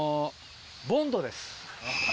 ボンドです。